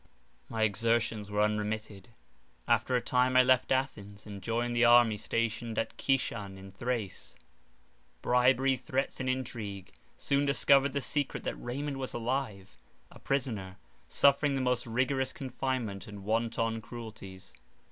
My exertions were unremitted: after a time I left Athens, and joined the army stationed at Kishan in Thrace. Bribery, threats, and intrigue, soon discovered the secret that Raymond was alive, a prisoner, suffering the most rigorous confinement and wanton cruelties.